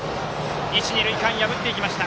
一、二塁間、破っていきました。